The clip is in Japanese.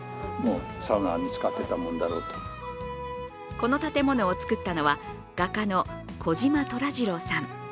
この建物を造ったのは画家の児島虎次郎さん。